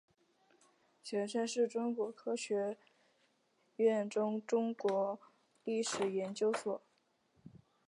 前身是中国科学院中国历史研究所。